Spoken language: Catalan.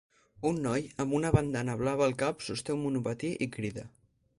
Un noi amb una bandana blava al cap sosté un monopatí i crida